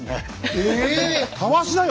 ええ⁉たわしだよ